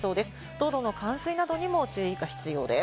道路の冠水などにも注意が必要です。